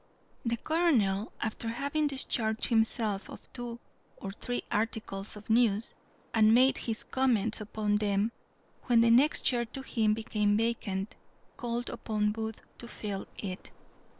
The colonel, after having discharged himself of two or three articles of news, and made his comments upon them, when the next chair to him became vacant, called upon Booth to fill it.